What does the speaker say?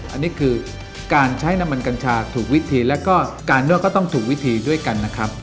อันนี้คือการใช้น้ำมันกัญชาถูกวิธีแล้วก็การนวดก็ต้องถูกวิธีด้วยกันนะครับ